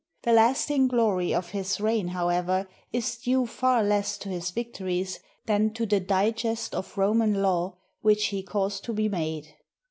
The lasting glory of his reign, however, is due far less to his victories than to the digest of Roman law which he caused to be made.